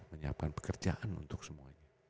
kita siapkan pekerjaan untuk semua